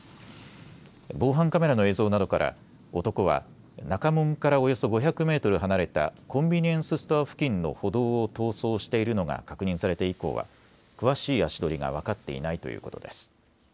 防犯カメラの映像などから男は中門からおよそ５００メートル離れたコンビニエンスストア付近の歩道を逃走しているのが確認されて以降は詳しい足取りが分かっていないということです。